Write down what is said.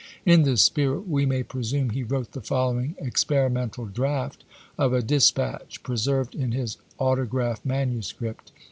In this spirit we may presume he wrote the follow ing experimental draft of a dispatch, preserved in his autograph manuscript.